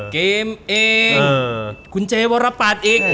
เกมเองคนเจฟละป่าท